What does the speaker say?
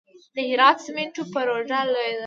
د هرات سمنټو پروژه لویه ده